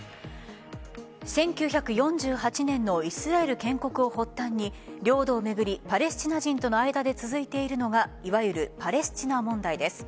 １９４８年のイスラエル建国を発端に領土を巡りパレスチナ人との間で続いているのがいわゆるパレスチナ問題です。